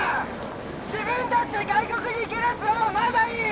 自分達で外国に行ける奴らはまだいい！